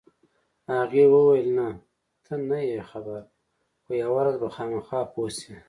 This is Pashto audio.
هغې وویل: نه، ته نه یې خبر، خو یوه ورځ به خامخا پوه شې.